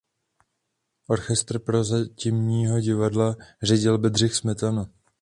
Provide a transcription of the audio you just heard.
Orchestr Prozatímního divadla řídil Bedřich Smetana.